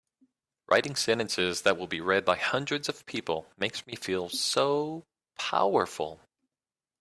Writing sentences that will be read by hundreds of people makes me feel so powerful!